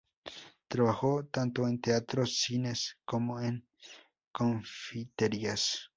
Trabajó tanto en teatros, cines como en confiterías.